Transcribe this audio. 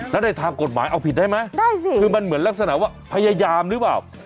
แล้วในทางกฎหมายเอาผิดได้ไหมได้สิคือมันเหมือนลักษณะว่าพยายามหรือเปล่า